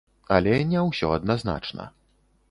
Але не ўсё адназначна.